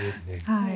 はい。